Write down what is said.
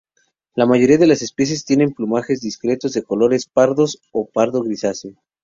La mayoría de las especies tienen plumajes discretos de colores pardos o pardo grisáceos.